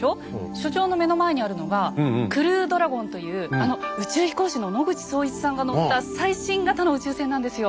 所長の目の前にあるのが「クルードラゴン」というあの宇宙飛行士の野口聡一さんが乗った最新型の宇宙船なんですよ。